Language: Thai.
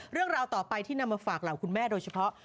เรื่องราวต่อไปที่นำมาฝากเหล่าคุณแม่โดยเฉพาะ